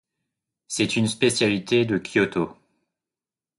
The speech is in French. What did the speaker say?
C'est une spécialité de Kyōto.